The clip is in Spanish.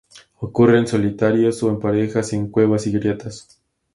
Ocurren solitarios o en parejas, en cuevas y grietas.